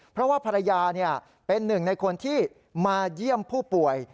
เพราะว่าภรรยาเป็นหนึ่งในคนที่มาเยี่ยมผู้ป่วย